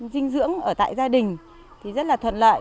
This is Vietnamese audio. dinh dưỡng ở tại gia đình thì rất là thuận lợi